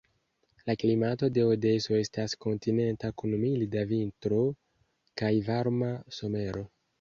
La klimato de Odeso estas kontinenta kun milda vintro kaj varma somero.